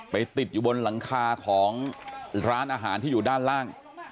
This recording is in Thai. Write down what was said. ติดอยู่บนหลังคาของร้านอาหารที่อยู่ด้านล่าง